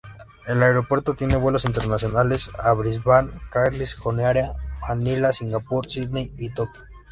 El aeropuerto tiene vuelos internacionales a Brisbane, Cairns, Honiara, Manila, Singapur, Sídney y Tokio.